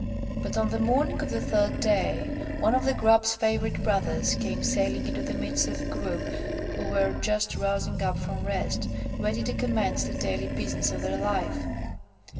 But on the morning of the third day, one of the Grub's favourite brothers came sailing into the midst of a group who were just rousing up from rest, ready to commence the daily business of their life.